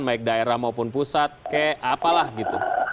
baik daerah maupun pusat ke apalah gitu